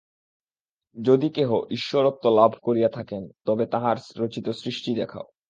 যদি কেহ ঈশ্বরত্ব লাভ করিয়া থাকেন, তবে তাঁহার রচিত সৃষ্টি দেখাও।